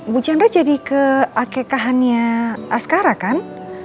bu chandra jadi ke akekahannya askara kan